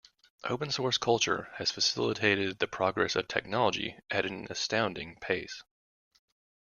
Open source culture has facilitated the progress of technology at an astonishing pace.